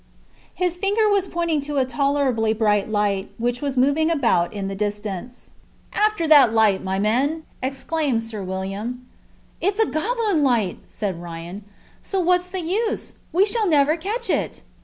His finger was pointing to a tolerably bright light, which was moving about in the distance. "After that light, my men!" exclaimed Sir William. "It's a goblin light!" said Ryan. "So what's the use? We shall never catch it."